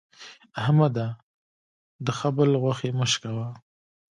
احمده! د خبل غوښې مه شکوه.